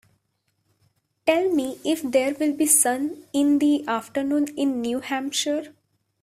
Tell me if there will be sun in the afternoon in New Hampshire